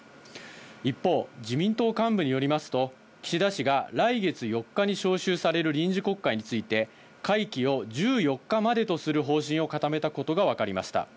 一方、自民党幹部によりますと、岸田氏が来月４日に召集される臨時国会について、会期を１４日までとする方針を固めたことが分かりました。